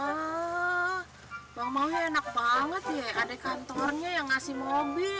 ah bang bawi enak banget ya adek kantornya yang ngasih mobil